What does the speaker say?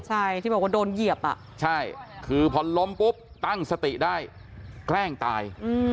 ใช่ที่บอกว่าโดนเหยียบอ่ะใช่คือพอล้มปุ๊บตั้งสติได้แกล้งตาย